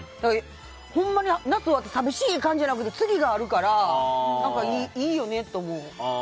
ほんまに夏終わって寂しい感じじゃなくて次があるから、いいよねって思う。